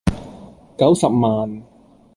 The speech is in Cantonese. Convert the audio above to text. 九十萬